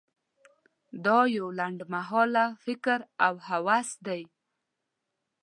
دا یو لنډ مهاله فکر او هوس دی.